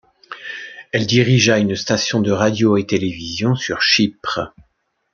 Elle dirigea une station de radio et télévision sur Chypre.